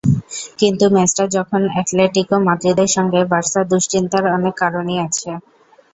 কিন্তু ম্যাচটা যখন অ্যাটলেটিকো মাদ্রিদের সঙ্গে, বার্সার দুশ্চিন্তার অনেক কারণই আছে।